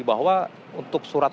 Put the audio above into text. bahwa untuk surat